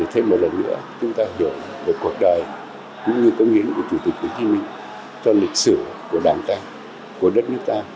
thông qua trưng bày